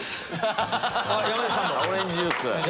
オレンジジュース。